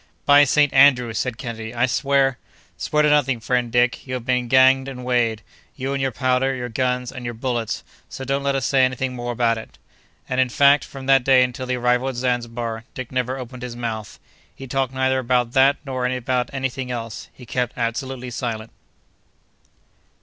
"By Saint Andrew!" said Kennedy, "I swear—" "Swear to nothing, friend Dick; you have been ganged and weighed—you and your powder, your guns, and your bullets; so don't let us say anything more about it." And, in fact, from that day until the arrival at Zanzibar, Dick never opened his mouth. He talked neither about that nor about anything else. He kept absolutely silent.